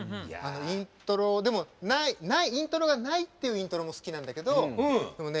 イントロでもイントロがないっていうイントロも好きなんだけどでもね